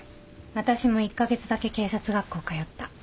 私も１カ月だけ警察学校通った。